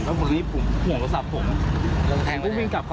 เขาก็ดกปัดผมแปลกนะครับ